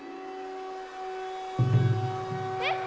えっ！